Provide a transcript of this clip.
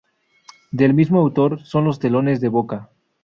Del mismo autor son los telones de boca.